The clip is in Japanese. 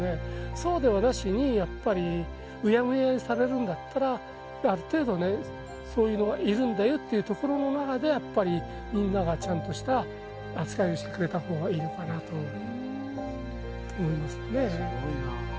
そうではなしにやっぱりうやむやにされるんだったらある程度ねそういうのがいるんだよっていうところの中でやっぱりみんながちゃんとした扱いをしてくれた方がいいのかなと思いますね